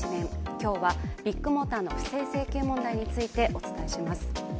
今日はビッグモーターの不正請求問題についてお伝えします。